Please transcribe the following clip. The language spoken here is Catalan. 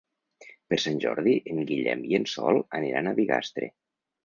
Per Sant Jordi en Guillem i en Sol aniran a Bigastre.